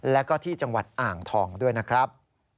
แล้วก็ที่จังหวัดอ่างทองด้วยนะครับ